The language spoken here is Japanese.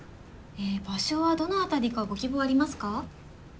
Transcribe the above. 場所はどの辺りかご希望ありますか？